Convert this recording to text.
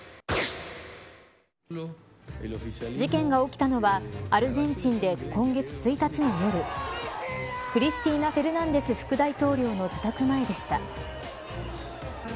事件が起きたのはアルゼンチンで今月１日の夜クリスティーナ・フェルナンデス副大統領の自宅前でした。